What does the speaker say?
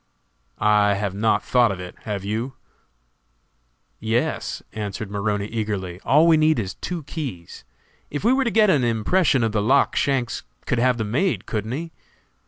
"I have not thought of it, have you?" "Yes," answered Maroney, eagerly; "all we need is two keys. If we were to get an impression of the lock Shanks could have them made, couldn't he?"